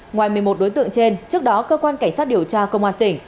ngoài một mươi một đối tượng trên trước đó cơ quan cảnh sát điều tra công an tỉnh